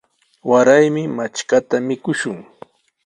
Waraymi matrkata mikushun.